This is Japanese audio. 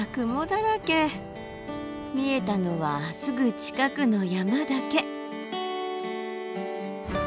見えたのはすぐ近くの山だけ。